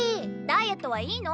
ダイエットはいいの？